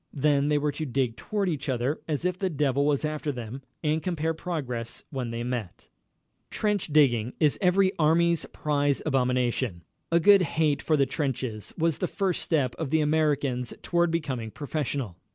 Then they were to dig toward each other as if the devil was after them, and compare progress when they met. Trench digging is every army's prize abomination. A good hate for the trenches was the first step of the Americans toward becoming professional.